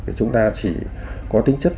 thì chúng ta chỉ có tính chất